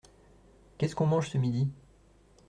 Qu’est-ce qu’on mange ce midi ?